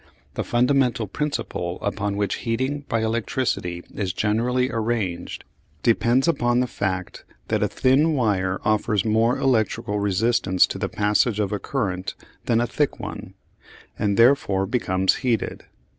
The fundamental principle upon which heating by electricity is generally arranged depends upon the fact that a thin wire offers more electrical resistance to the passage of a current than a thick one, and therefore becomes heated.